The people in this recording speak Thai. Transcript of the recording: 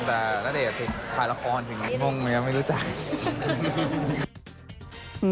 แต่นาเดชน์ถึงถ่ายละครถึงอนโมงมันไม่รู้จัก